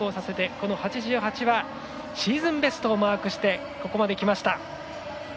この８８はシーズンベストをマークしてここまできました。